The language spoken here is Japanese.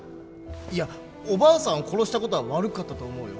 いやおばあさんを殺した事は悪かったと思うよ。